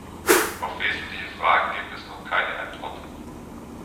Auf wesentliche Fragen gibt es noch keine Antwort.